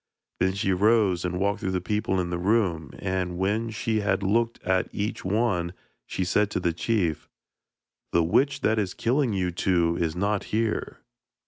Then she rose and walked through the people in the room, and when she had looked at each one she said to the chief: 'The witch that is killing you two is not here.'